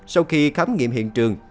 sau khi khám nghiệm hiện trường